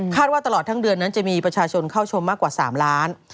ว่าตลอดทั้งเดือนนั้นจะมีประชาชนเข้าชมมากกว่า๓ล้าน